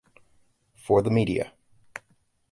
For the Media